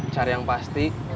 cari yang pasti